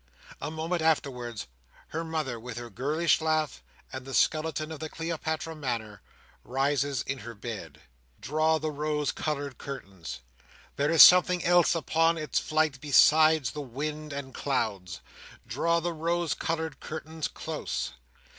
A moment afterwards, her mother, with her girlish laugh, and the skeleton of the Cleopatra manner, rises in her bed. Draw the rose coloured curtains. There is something else upon its flight besides the wind and clouds. Draw the rose coloured curtains close!